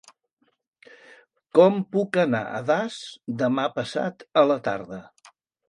Com puc anar a Das demà passat a la tarda?